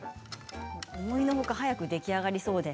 思いのほか早く出来上がりそうで。